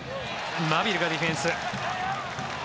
マビルがディフェンス。